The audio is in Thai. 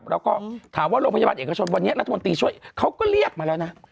แล้วก็ถามว่าโรงพยาบาลเอกชนวันนี้รัฐมนตรีช่วยเขาก็เรียกมาแล้วนะ